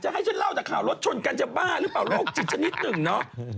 ให้ฉันเล่าแต่ข่าวรถชนกันจะบ้าหรือเปล่าโรคจิตชนิดหนึ่งเนาะ